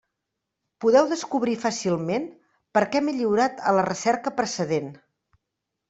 Podeu descobrir fàcilment per què m'he lliurat a la recerca precedent.